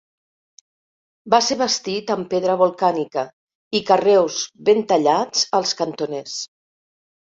Va ser bastit amb pedra volcànica i carreus ben tallats als cantoners.